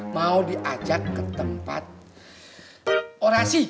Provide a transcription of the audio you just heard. mau diajak ke tempat orasi